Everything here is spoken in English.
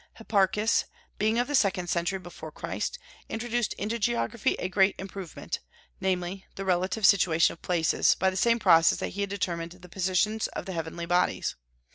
Hipparchus (beginning of second century before Christ) introduced into geography a great improvement; namely, the relative situation of places, by the same process that he determined the positions of the heavenly bodies.